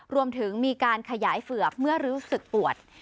รวมถึงมีการขยายเฝือกเมื่อรู้สึกปวด